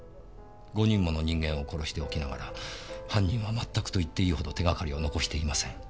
５人もの人間を殺しておきながら犯人はまったくといっていいほど手がかりを残していません。